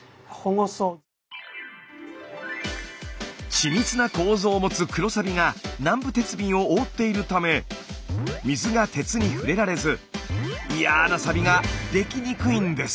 緻密な構造を持つ黒サビが南部鉄瓶を覆っているため水が鉄に触れられずいやなサビができにくいんです。